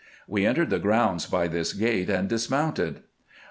We entered the grounds by this gate, and dismounted.